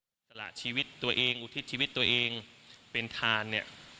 อิสระชีวิตตัวเองอุทิศชีวิตตัวเองเป็นทานเนี่ย